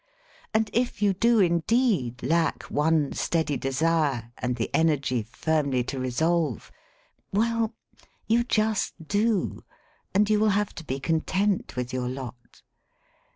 And if you do in deed lack one steady desire and the energy firmly to resolve— well, you just do. And you will have to be content with your lot.